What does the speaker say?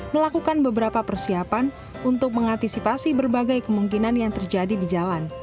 melakukan beberapa persiapan untuk mengantisipasi berbagai kemungkinan yang terjadi di jalan